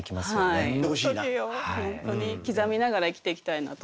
本当に刻みながら生きていきたいなと思いますね。